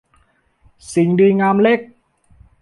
สิ่งดีงามเล็ก